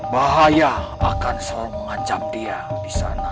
bahaya akan selalu mengancam dia di sana